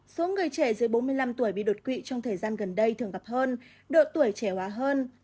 số người trẻ dưới bốn mươi năm tuổi bị đột quỵ trong thời gian gần đây thường gặp hơn độ tuổi trẻ hóa hơn